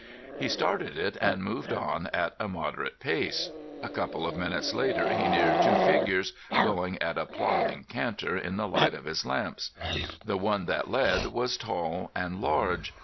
He started it and moved on at a moderate pace. A couple of minutes later he neared two figures going at a plodding canter in the light of his lamps. The one that led was tall and large.